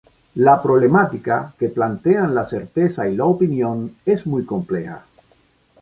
La problemática que plantean la certeza y la opinión es muy compleja.